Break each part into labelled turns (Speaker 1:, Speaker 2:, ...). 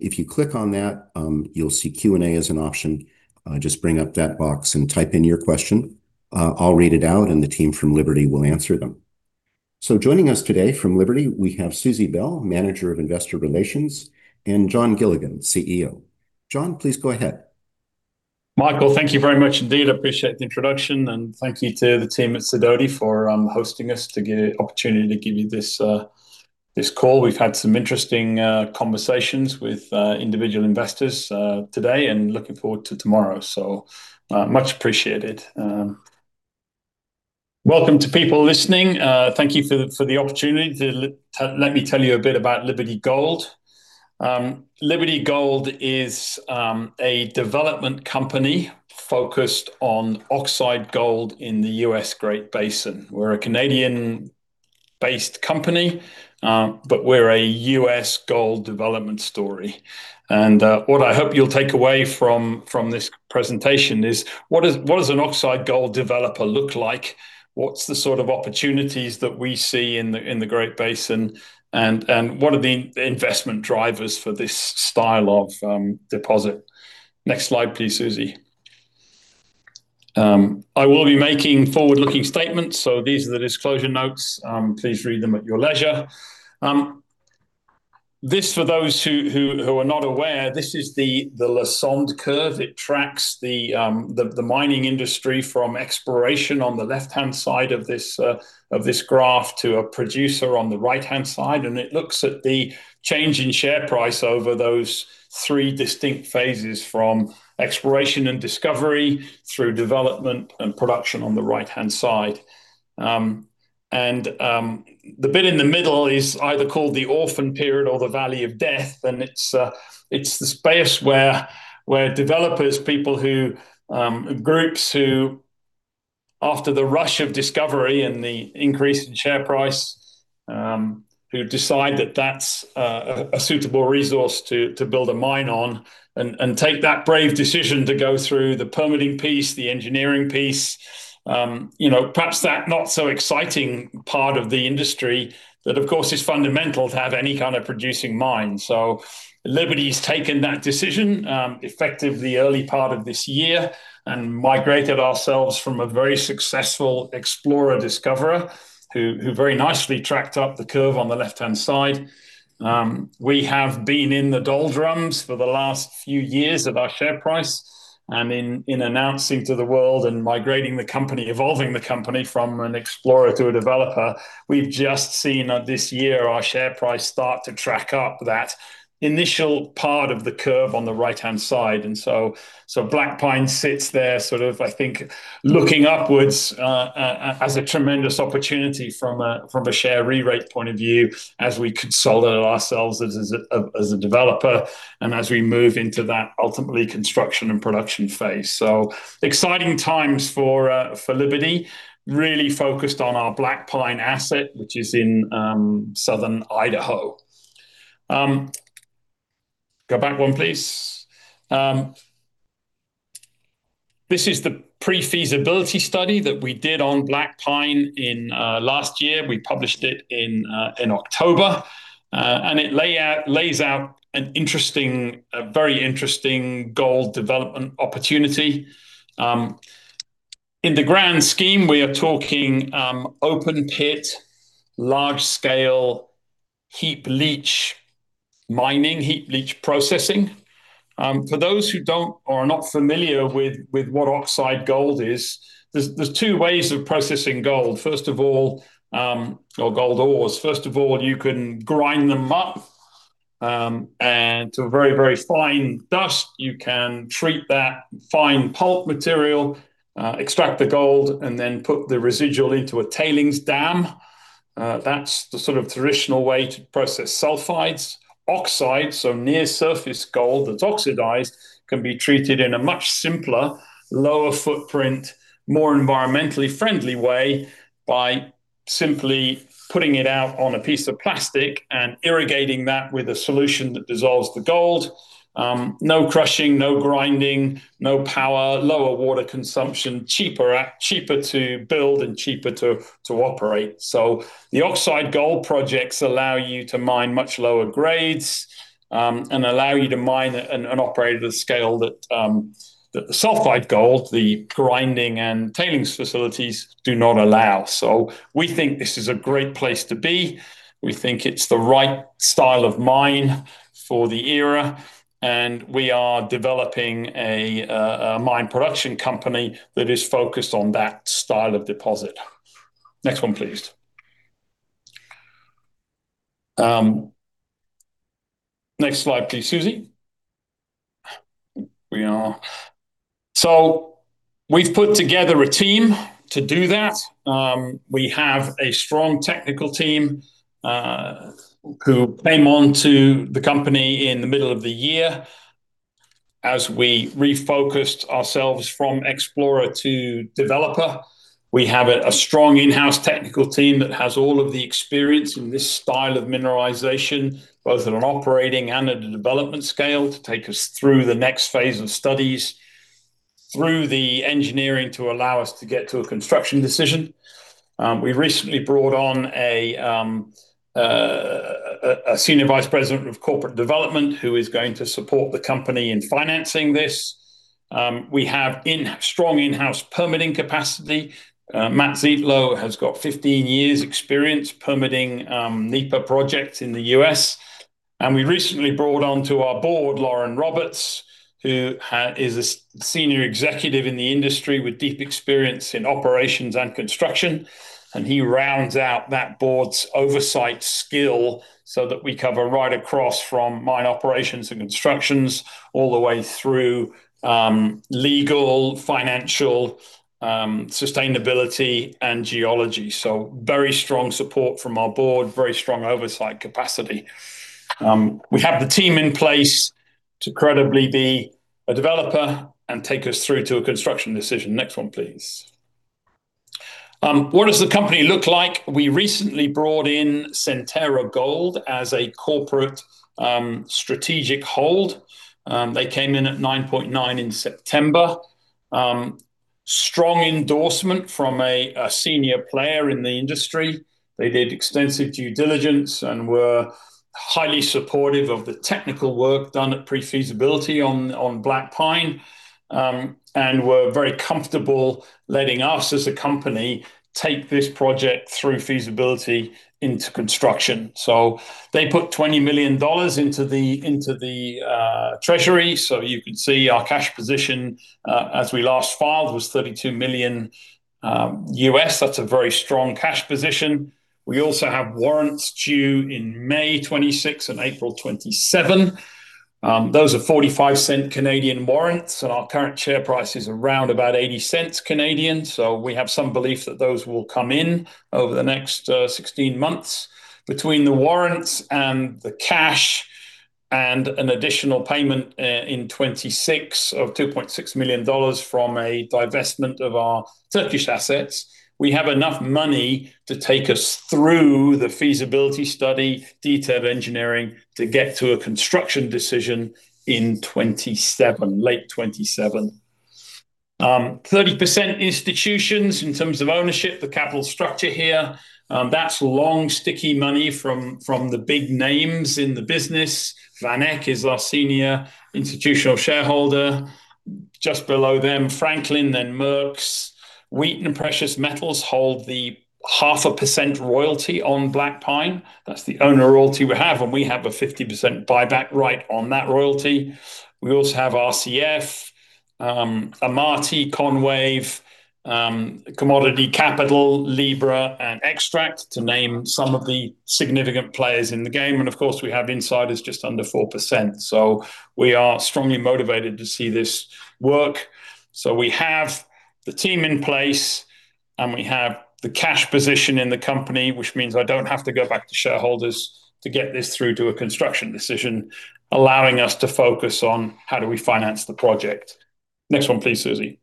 Speaker 1: If you click on that, you'll see Q&A as an option. Just bring up that box and type in your question. I'll read it out, and the team from Liberty will answer them. So joining us today from Liberty, we have Susie Bell, Manager of Investor Relations, and Jon Gilligan, CEO. Jon, please go ahead.
Speaker 2: Michael, thank you very much indeed. Appreciate the introduction, and thank you to the team at Sidoti for hosting us to get the opportunity to give you this call. We've had some interesting conversations with individual investors today and looking forward to tomorrow. So much appreciated. Welcome to people listening. Thank you for the opportunity to let me tell you a bit about Liberty Gold. Liberty Gold is a development company focused on oxide gold in the U.S. Great Basin. We're a Canadian-based company, but we're a U.S. gold development story. And what I hope you'll take away from this presentation is what does an oxide gold developer look like? What's the sort of opportunities that we see in the Great Basin? And what are the investment drivers for this style of deposit? Next slide, please, Susie. I will be making forward-looking statements, so these are the disclosure notes. Please read them at your leisure. This, for those who are not aware, this is the Lassonde Curve. It tracks the mining industry from exploration on the left-hand side of this graph to a producer on the right-hand side. It looks at the change in share price over those three distinct phases from exploration and discovery through development and production on the right-hand side. The bit in the middle is either called the orphan period or the valley of death. And it's the space where developers, groups who, after the rush of discovery and the increase in share price, who decide that that's a suitable resource to build a mine on and take that brave decision to go through the permitting piece, the engineering piece, you know, perhaps that not so exciting part of the industry that, of course, is fundamental to have any kind of producing mine. So Liberty's taken that decision, effective the early part of this year and migrated ourselves from a very successful explorer discoverer who very nicely tracked up the curve on the left-hand side. We have been in the doldrums for the last few years of our share price. And in announcing to the world and migrating the company, evolving the company from an explorer to a developer, we've just seen this year our share price start to track up that initial part of the curve on the right-hand side. And so Black Pine sits there sort of, I think, looking upwards as a tremendous opportunity from a share rerate point of view as we consolidate ourselves as a developer. And as we move into that ultimately construction and production phase, so exciting times for Liberty, really focused on our Black Pine asset, which is in southern Idaho. Go back one, please. This is the pre-feasibility study that we did on Black Pine last year. We published it in October. It lays out a very interesting gold development opportunity. In the grand scheme, we are talking open pit, large scale heap leach mining, heap leach processing. For those who don't or are not familiar with what oxide gold is, there's two ways of processing gold. First of all, or gold ores. First of all, you can grind them up and to a very fine dust. You can treat that fine pulp material, extract the gold, and then put the residual into a tailings dam. That's the sort of traditional way to process sulfides. Oxide, so near-surface gold that's oxidized can be treated in a much simpler, lower footprint, more environmentally friendly way by simply putting it out on a piece of plastic and irrigating that with a solution that dissolves the gold. No crushing, no grinding, no power, lower water consumption, cheaper to build and cheaper to operate. So the oxide gold projects allow you to mine much lower grades, and allow you to mine an operator scale that the sulfide gold, the grinding and tailings facilities do not allow. So we think this is a great place to be. We think it's the right style of mine for the era, and we are developing a mine production company that is focused on that style of deposit. Next one, please. Next slide, please, Susie. So we've put together a team to do that. We have a strong technical team, who came on to the company in the middle of the year as we refocused ourselves from explorer to developer. We have a strong in-house technical team that has all of the experience in this style of mineralization, both on an operating and at a development scale to take us through the next phase of studies, through the engineering to allow us to get to a construction decision. We recently brought on a senior vice president of corporate development who is going to support the company in financing this. We have strong in-house permitting capacity. Matt Zietlow has got 15 years experience permitting NEPA projects in the U.S., and we recently brought onto our board Lauren Roberts, who is a senior executive in the industry with deep experience in operations and construction, and he rounds out that board's oversight skill so that we cover right across from mine operations and constructions all the way through legal, financial, sustainability, and geology. So very strong support from our board, very strong oversight capacity. We have the team in place to credibly be a developer and take us through to a construction decision. Next one, please. What does the company look like? We recently brought in Centerra Gold as a corporate, strategic hold. They came in at 9.9 in September. Strong endorsement from a senior player in the industry. They did extensive due diligence and were highly supportive of the technical work done at pre-feasibility on Black Pine and were very comfortable letting us as a company take this project through feasibility into construction. So they put $20 million into the treasury. So you can see our cash position as we last filed was $32 million. That's a very strong cash position. We also have warrants due in May 2026 and April 2027. Those are 0.45 warrants. And our current share price is around about 0.80. So we have some belief that those will come in over the next 16 months. Between the warrants and the cash and an additional payment in 2026 of $2.6 million from a divestment of our Turkish assets, we have enough money to take us through the feasibility study, detailed engineering to get to a construction decision in 2027, late 2027. 30% institutions in terms of ownership, the capital structure here. That's long sticky money from the big names in the business. VanEck is our senior institutional shareholder. Just below them, Franklin, then Merck's, Wheaton Precious Metals hold the 0.5% royalty on Black Pine. That's the only royalty we have. And we have a 50% buyback right on that royalty. We also have RCF, Amati, Konwave, Commodity Capital, Libra, and Extract to name some of the significant players in the game. And of course, we have insiders just under 4%. So we are strongly motivated to see this work. So we have the team in place and we have the cash position in the company, which means I don't have to go back to shareholders to get this through to a construction decision, allowing us to focus on how do we finance the project. Next one, please, Susie.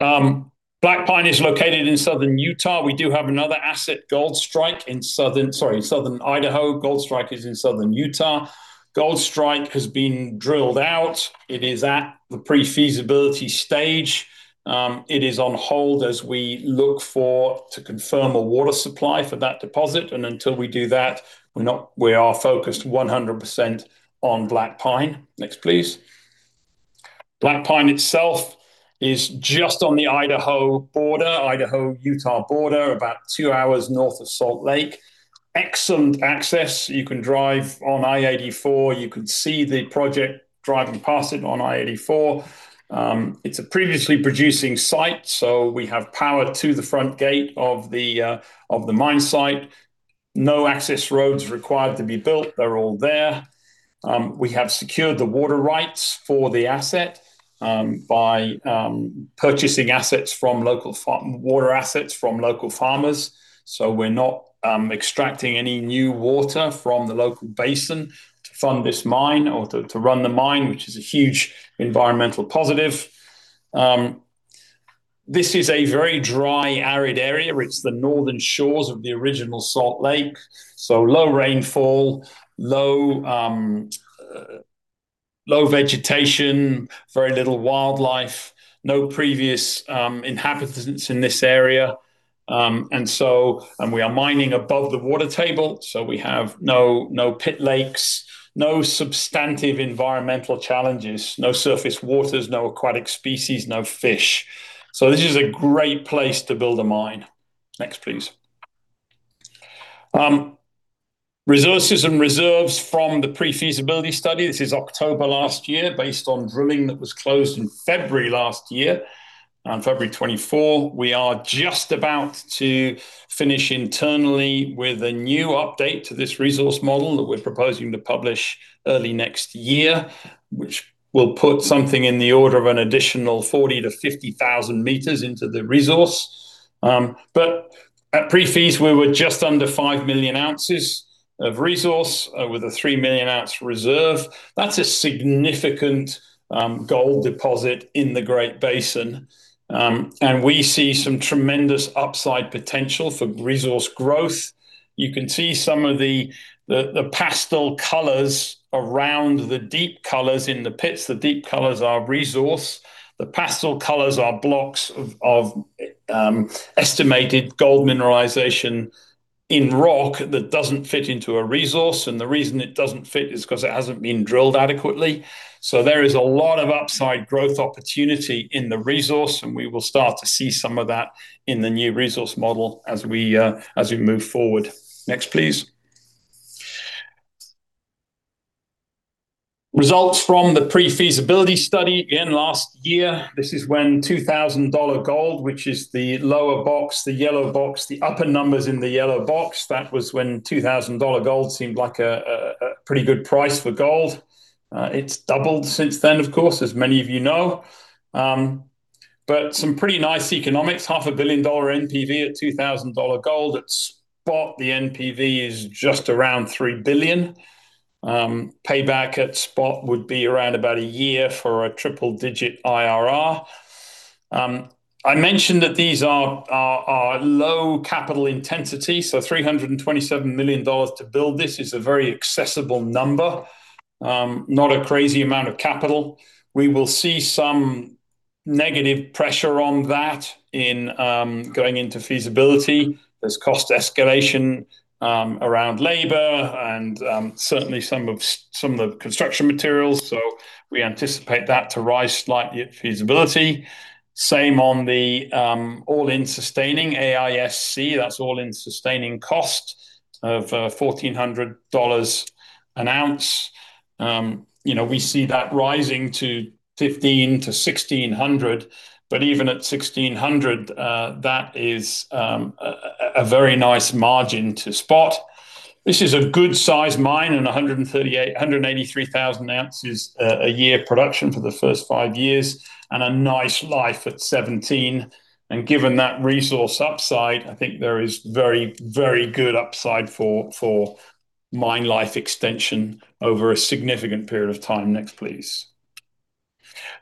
Speaker 2: Black Pine is located in southern Utah. We do have another asset, Goldstrike in southern, sorry, southern Idaho. Goldstrike is in southern Utah. Goldstrike has been drilled out. It is at the pre-feasibility stage. It is on hold as we look for to confirm a water supply for that deposit. And until we do that, we're not, we are focused 100% on Black Pine. Next, please. Black Pine itself is just on the Idaho border, Idaho-Utah border, about two hours north of Salt Lake. Excellent access. You can drive on I-84. You can see the project driving past it on I-84. It's a previously producing site, so we have power to the front gate of the mine site. No access roads required to be built. They're all there. We have secured the water rights for the asset by purchasing assets from local farm water assets from local farmers. So we're not extracting any new water from the local basin to fund this mine or to run the mine, which is a huge environmental positive. This is a very dry, arid area. It's the northern shores of the original Salt Lake. Low rainfall, low vegetation, very little wildlife, no previous inhabitants in this area, and so we are mining above the water table, so we have no pit lakes, no substantive environmental challenges, no surface waters, no aquatic species, no fish. This is a great place to build a mine. Next, please. Resources and reserves from the pre-feasibility study. This is October last year based on drilling that was closed in February last year. On February 24, we are just about to finish internally with a new update to this resource model that we're proposing to publish early next year, which will put something in the order of an additional 40,000-50,000 meters into the resource. But at pre-feas, we were just under 5 million ounces of resource with a 3 million ounce reserve. That's a significant gold deposit in the Great Basin. And we see some tremendous upside potential for resource growth. You can see some of the pastel colors around the deep colors in the pits. The deep colors are resource. The pastel colors are blocks of estimated gold mineralization in rock that doesn't fit into a resource. And the reason it doesn't fit is because it hasn't been drilled adequately. So there is a lot of upside growth opportunity in the resource. And we will start to see some of that in the new resource model as we move forward. Next, please. Results from the pre-feasibility study in last year. This is when $2,000 gold, which is the lower box, the yellow box, the upper numbers in the yellow box. That was when $2,000 gold seemed like a pretty good price for gold. It's doubled since then, of course, as many of you know, but some pretty nice economics, $500 million NPV at $2,000 gold at spot. The NPV is just around $3 billion. Payback at spot would be around about a year for a triple digit IRR. I mentioned that these are low capital intensity, so $327 million to build this is a very accessible number, not a crazy amount of capital. We will see some negative pressure on that in going into feasibility. There's cost escalation around labor and certainly some of the construction materials, so we anticipate that to rise slightly at feasibility. Same on the all-in sustaining AISC. That's all-in sustaining cost of $1,400 an ounce. You know, we see that rising to $1,500-$1,600, but even at $1,600, that is a very nice margin to spot. This is a good size mine and 138-183,000 ounces a year production for the first five years and a nice life at 17. Given that resource upside, I think there is very, very good upside for mine life extension over a significant period of time. Next, please.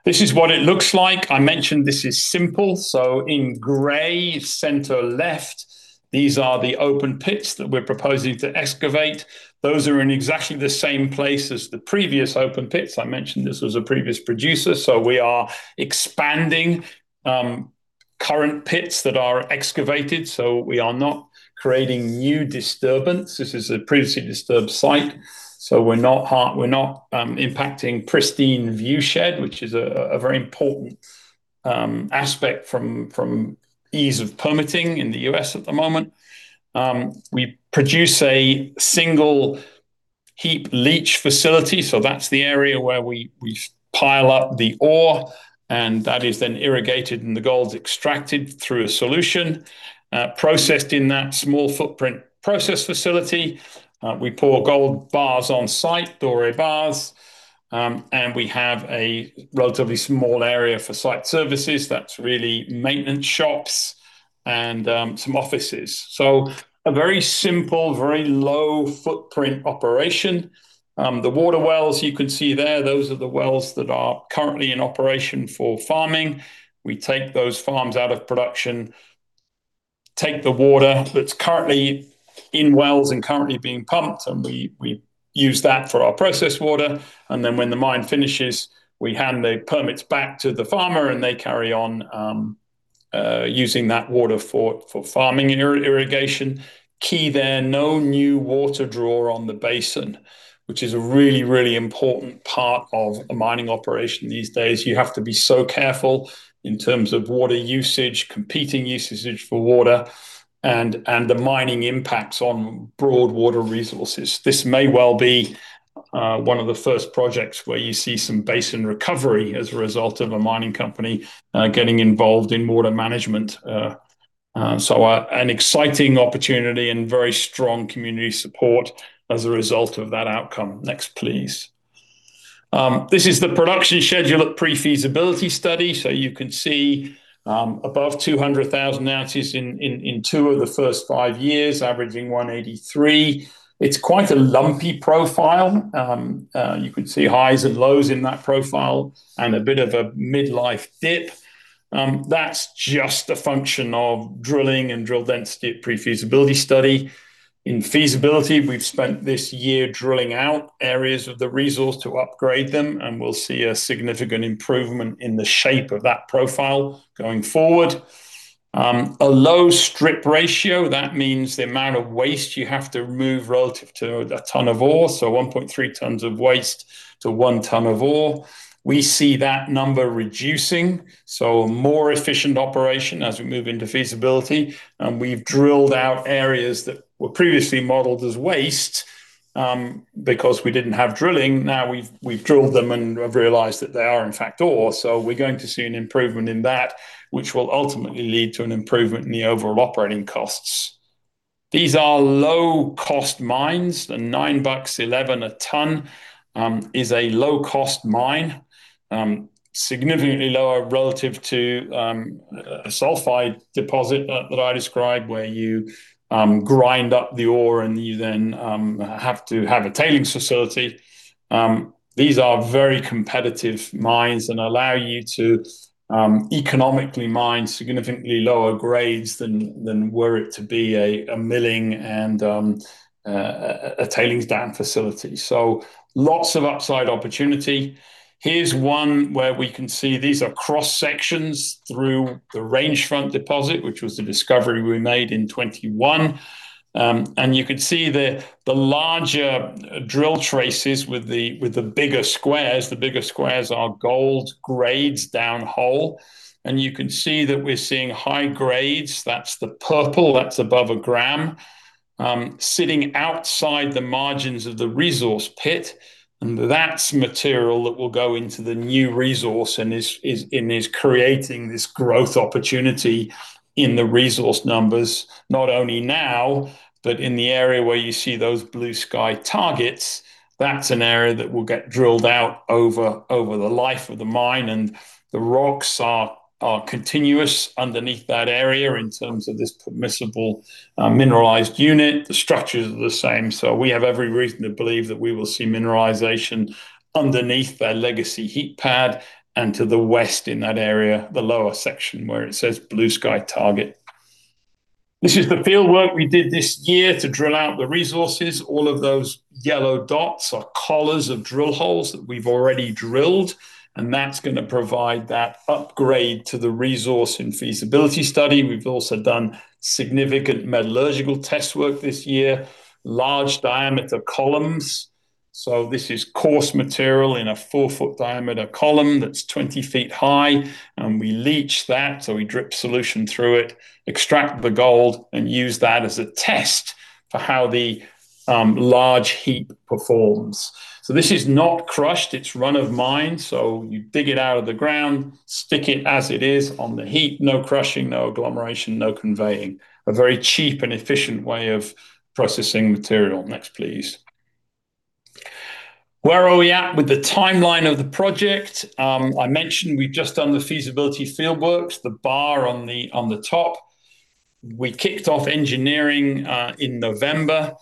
Speaker 2: This is what it looks like. I mentioned this is simple. So in gray, center left, these are the open pits that we're proposing to excavate. Those are in exactly the same place as the previous open pits. I mentioned this was a previous producer. So we are expanding current pits that are excavated. So we are not creating new disturbance. This is a previously disturbed site. So we're not impacting Pristine Viewshed, which is a very important aspect from ease of permitting in the U.S. at the moment. We produce a single heap leach facility. So that's the area where we pile up the ore and that is then irrigated and the gold's extracted through a solution, processed in that small footprint process facility. We pour gold bars on site, Doré bars. And we have a relatively small area for site services. That's really maintenance shops and some offices. So a very simple, very low footprint operation. The water wells you can see there, those are the wells that are currently in operation for farming. We take those farms out of production, take the water that's currently in wells and currently being pumped, and we use that for our process water. And then when the mine finishes, we hand the permits back to the farmer and they carry on, using that water for farming irrigation. Okay, there, no new water drawdown on the basin, which is a really, really important part of a mining operation these days. You have to be so careful in terms of water usage, competing usage for water and the mining impacts on broad water resources. This may well be one of the first projects where you see some basin recovery as a result of a mining company getting involved in water management, so an exciting opportunity and very strong community support as a result of that outcome. Next, please. This is the production schedule at pre-feasibility study. So you can see above 200,000 ounces in two of the first five years, averaging 183. It's quite a lumpy profile. You can see highs and lows in that profile and a bit of a midlife dip. That's just a function of drilling and drill density at pre-feasibility study. In feasibility, we've spent this year drilling out areas of the resource to upgrade them, and we'll see a significant improvement in the shape of that profile going forward, a low strip ratio. That means the amount of waste you have to remove relative to a ton of ore, so 1.3 tons of waste to one ton of ore. We see that number reducing, so a more efficient operation as we move into feasibility, and we've drilled out areas that were previously modeled as waste, because we didn't have drilling. Now we've drilled them and have realized that they are in fact ore, so we're going to see an improvement in that, which will ultimately lead to an improvement in the overall operating costs. These are low cost mines. The $9, $11 a ton, is a low cost mine, significantly lower relative to a sulfide deposit that I described where you grind up the ore and you then have to have a tailings facility. These are very competitive mines and allow you to economically mine significantly lower grades than were it to be a milling and a tailings dam facility. So lots of upside opportunity. Here's one where we can see these are cross sections through the range front deposit, which was the discovery we made in 2021, and you can see the larger drill traces with the bigger squares. The bigger squares are gold grades down hole, and you can see that we're seeing high grades. That's the purple that's above a gram, sitting outside the margins of the resource pit. And that's material that will go into the new resource and is creating this growth opportunity in the resource numbers, not only now, but in the area where you see those blue sky targets. That's an area that will get drilled out over the life of the mine. And the rocks are continuous underneath that area in terms of this permissible mineralized unit. The structures are the same. So we have every reason to believe that we will see mineralization underneath that legacy heap pad and to the west in that area, the lower section where it says blue sky target. This is the field work we did this year to drill out the resources. All of those yellow dots are collars of drill holes that we've already drilled. And that's going to provide that upgrade to the resource in feasibility study. We've also done significant metallurgical test work this year: large diameter columns, so this is coarse material in a four-foot diameter column that's 20 feet high, and we leach that, so we drip solution through it, extract the gold, and use that as a test for how the large heap performs, so this is not crushed. It's run-of-mine, so you dig it out of the ground, stick it as it is on the heap. No crushing, no agglomeration, no conveying. A very cheap and efficient way of processing material. Next, please. Where are we at with the timeline of the project? I mentioned we've just done the feasibility field works, the bar on the top. We kicked off engineering in November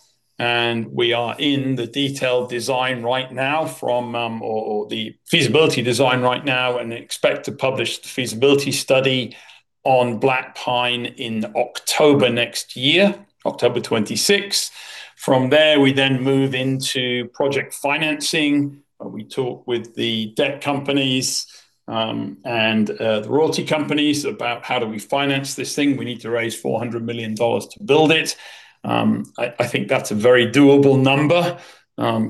Speaker 2: and we are in the detailed design right now, or the feasibility design right now and expect to publish the feasibility study on Black Pine in October next year, October 26. From there, we then move into project financing where we talk with the debt companies and the royalty companies about how do we finance this thing. We need to raise $400 million to build it. I think that's a very doable number,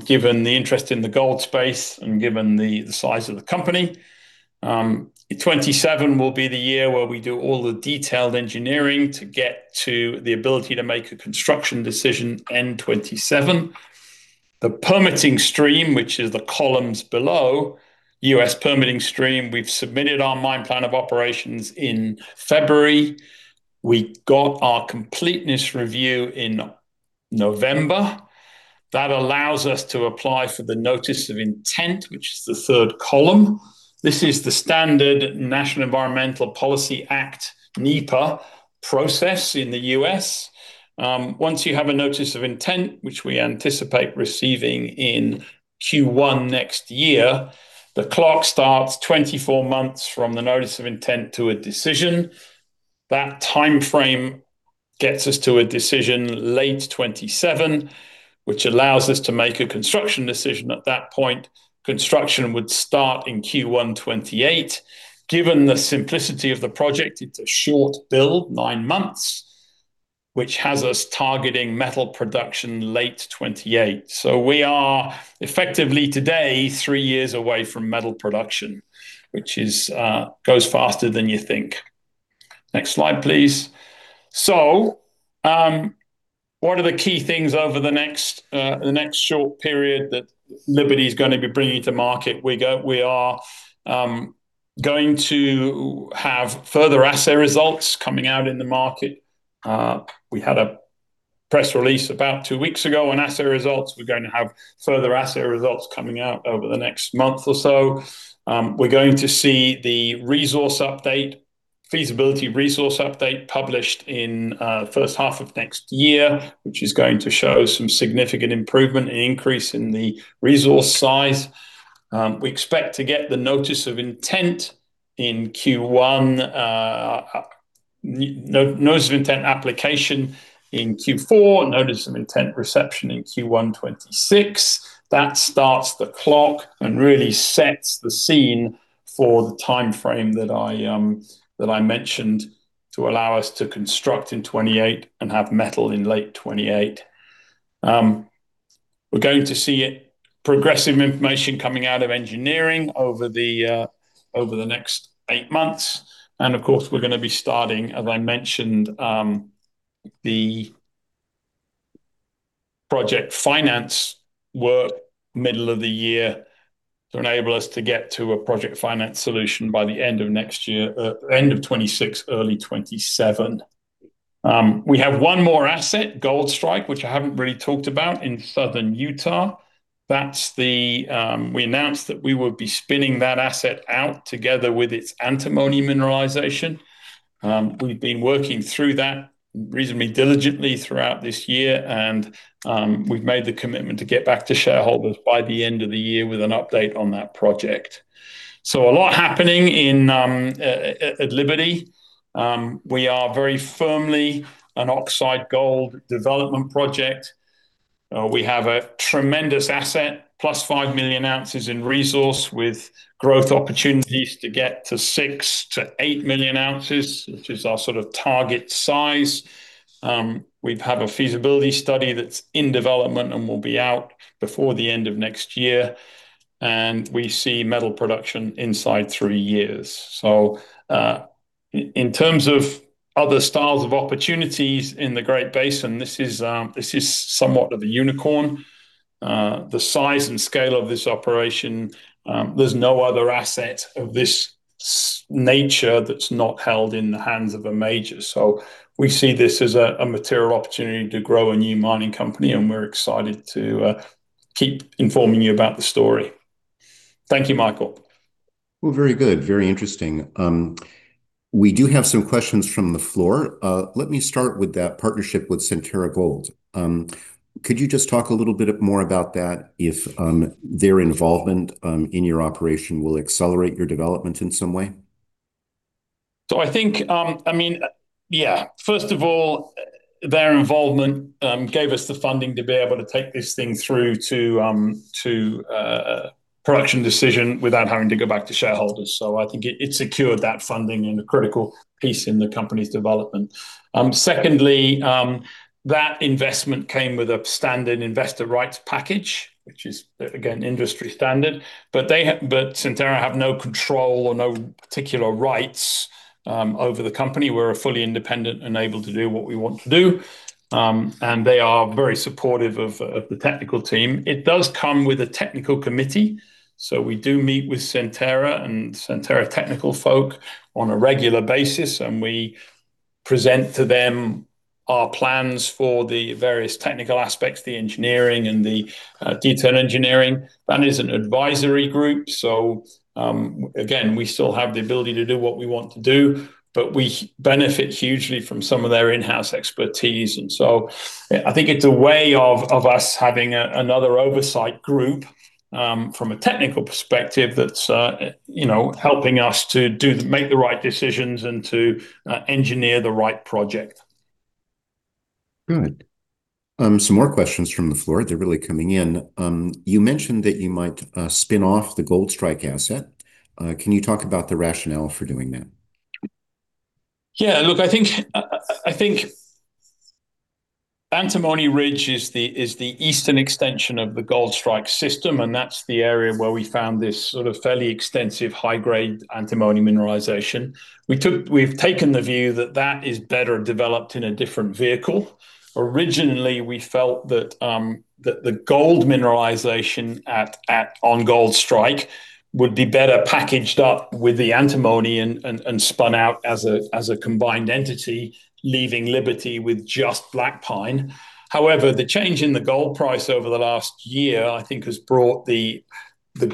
Speaker 2: given the interest in the gold space and given the size of the company. 2027 will be the year where we do all the detailed engineering to get to the ability to make a construction decision end 2027. The permitting stream, which is the columns below U.S. permitting stream, we've submitted our Mine Plan of Operations in February. We got our completeness review in November. That allows us to apply for the notice of intent, which is the third column. This is the standard National Environmental Policy Act, NEPA process in the U.S. Once you have a notice of intent, which we anticipate receiving in Q1 next year, the clock starts 24 months from the notice of intent to a decision. That timeframe gets us to a decision late 2027, which allows us to make a construction decision at that point. Construction would start in Q1 2028. Given the simplicity of the project, it's a short build, nine months, which has us targeting metal production late 2028, so we are effectively today three years away from metal production, which is, goes faster than you think. Next slide, please, so what are the key things over the next short period that Liberty's going to be bringing to market? We're going to have further assay results coming out in the market. We had a press release about two weeks ago on assay results. We're going to have further assay results coming out over the next month or so. We're going to see the resource update, feasibility resource update published in the first half of next year, which is going to show some significant improvement and increase in the resource size. We expect to get the notice of intent in Q1, notice of intent application in Q4, notice of intent reception in Q1 2026. That starts the clock and really sets the scene for the timeframe that I mentioned to allow us to construct in 2028 and have metal in late 2028. We're going to see progressive information coming out of engineering over the next eight months. And of course, we're going to be starting, as I mentioned, the project finance work middle of the year to enable us to get to a project finance solution by the end of next year, end of 2026, early 2027. We have one more asset, Goldstrike, which I haven't really talked about in southern Utah. That's the, we announced that we would be spinning that asset out together with its antimony mineralization. We've been working through that reasonably diligently throughout this year and, we've made the commitment to get back to shareholders by the end of the year with an update on that project. So a lot happening in, at Liberty. We are very firmly an oxide gold development project. We have a tremendous asset, plus five million ounces in resource with growth opportunities to get to six to eight million ounces, which is our sort of target size. We have a feasibility study that's in development and will be out before the end of next year. And we see metal production inside three years. So, in terms of other styles of opportunities in the Great Basin, this is, this is somewhat of a unicorn. The size and scale of this operation, there's no other asset of this nature that's not held in the hands of a major. So we see this as a, a material opportunity to grow a new mining company. And we're excited to keep informing you about the story. Thank you, Michael. Well, very good. Very interesting. We do have some questions from the floor. Let me start with that partnership with Centerra Gold. Could you just talk a little bit more about that, if their involvement in your operation will accelerate your development in some way? So I think, I mean, yeah, first of all, their involvement gave us the funding to be able to take this thing through to production decision without having to go back to shareholders. So I think it secured that funding and a critical piece in the company's development. Secondly, that investment came with a standard investor rights package, which is again industry standard, but they have no control or no particular rights over the company. We're a fully independent and able to do what we want to do, and they are very supportive of the technical team. It does come with a technical committee, so we do meet with Centerra and Centerra technical folk on a regular basis, and we present to them our plans for the various technical aspects, the engineering and the detailed engineering. That is an advisory group. So, again, we still have the ability to do what we want to do, but we benefit hugely from some of their in-house expertise, and so I think it's a way of us having another oversight group, from a technical perspective that's, you know, helping us make the right decisions and engineer the right project. Good. Some more questions from the floor. They're really coming in. You mentioned that you might spin off the Goldstrike asset. Can you talk about the rationale for doing that? Yeah, look, I think Antimony Ridge is the eastern extension of the Goldstrike system. And that's the area where we found this sort of fairly extensive high-grade antimony mineralization. We've taken the view that that is better developed in a different vehicle. Originally, we felt that the gold mineralization on Goldstrike would be better packaged up with the antimony and spun out as a combined entity, leaving Liberty with just Black Pine. However, the change in the gold price over the last year, I think has brought the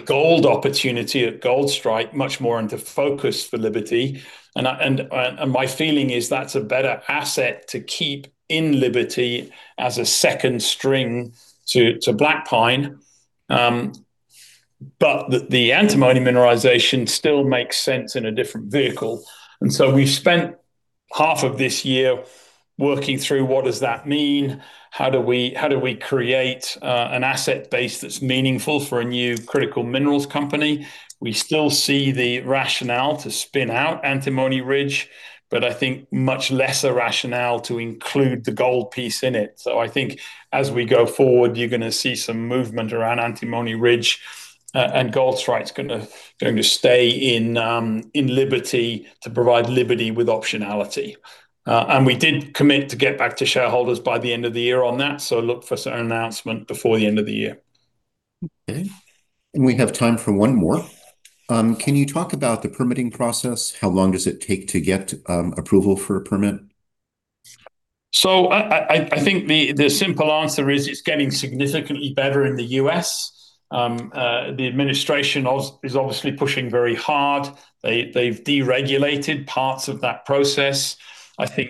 Speaker 2: gold opportunity at Goldstrike much more into focus for Liberty. And my feeling is that's a better asset to keep in Liberty as a second string to Black Pine. But the antimony mineralization still makes sense in a different vehicle. And so we've spent half of this year working through what does that mean? How do we create an asset base that's meaningful for a new critical minerals company? We still see the rationale to spin out Antimony Ridge, but I think much lesser rationale to include the gold piece in it. So I think as we go forward, you're going to see some movement around Antimony Ridge, and Goldstrike's going to stay in Liberty to provide Liberty with optionality, and we did commit to get back to shareholders by the end of the year on that. So look for some announcement before the end of the year. Okay. And we have time for one more. Can you talk about the permitting process? How long does it take to get approval for a permit? So I think the simple answer is it's getting significantly better in the U.S. The administration is obviously pushing very hard. They’ve deregulated parts of that process. I think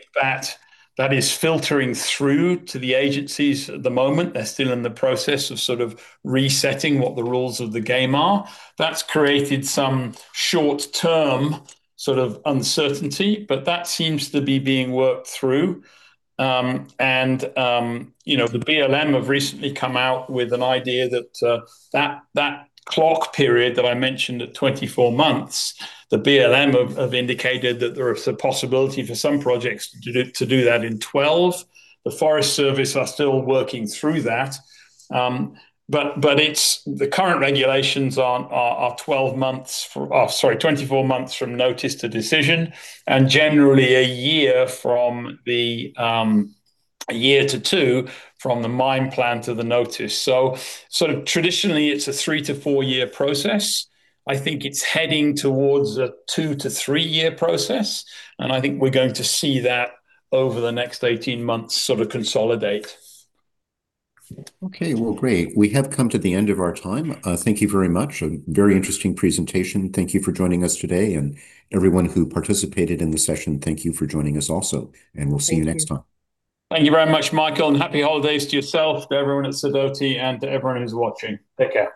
Speaker 2: that is filtering through to the agencies at the moment. They're still in the process of sort of resetting what the rules of the game are. That's created some short-term sort of uncertainty, but that seems to be being worked through. You know, the BLM have recently come out with an idea that clock period that I mentioned at 24 months. The BLM have indicated that there is a possibility for some projects to do that in 12. The Forest Service are still working through that. But it's the current regulations are 24 months from notice to decision and generally a year to two from the mine plan to the notice. So sort of traditionally it's a three to four year process. I think it's heading towards a two- to three-year process. And I think we're going to see that over the next 18 months sort of consolidate.
Speaker 1: Okay. Well, great. We have come to the end of our time. Thank you very much. A very interesting presentation. Thank you for joining us today. And everyone who participated in the session, thank you for joining us also. And we'll see you next time.
Speaker 2: Thank you very much, Michael. And happy holidays to yourself, to everyone at Sidoti and to everyone who's watching. Take care.